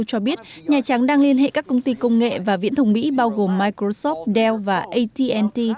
cho biết nhà trắng đang liên hệ các công ty công nghệ và viễn thông mỹ bao gồm microsoft dell và at t